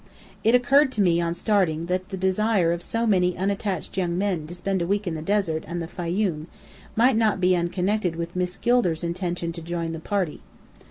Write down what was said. It occurred to me on starting, that the desire of so many unattached young men to spend a week in the desert and the Fayoum, might not be unconnected with Miss Gilder's intention to join the party.